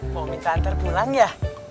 mau minta antar pulang ya